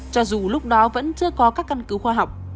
cho dù lúc đó vẫn chưa có các căn cứ khoa học